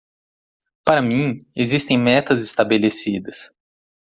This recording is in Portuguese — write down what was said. Para mim, existem metas estabelecidas.